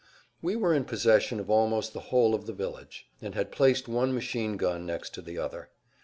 We were in possession of almost the whole of the village, and had placed one machine gun next to the other.